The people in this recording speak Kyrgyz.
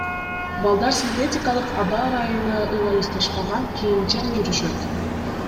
Балдар синтетикалык, аба ырайына ылайыкташпаган кийимчен жүрүшөт.